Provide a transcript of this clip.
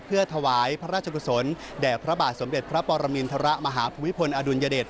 เพื่อถวายพระราชกุศลแด่พระบาทสมเด็จพระปรมินทรมาฮภูมิพลอดุลยเดช